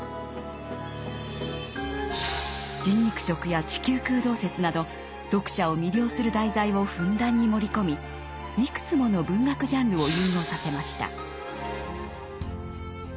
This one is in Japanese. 人肉食や地球空洞説など読者を魅了する題材をふんだんに盛り込みいくつもの文学ジャンルを融合させました。